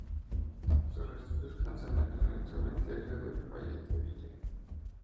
Sus restos descansan en el cementerio de Fayetteville.